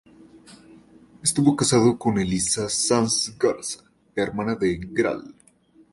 Estuvo casado con Elisa Sáenz Garza, hermana del Gral.